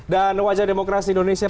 dan wajah demokrasi indonesia